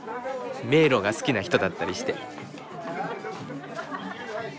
迷路が好きな人だったりして。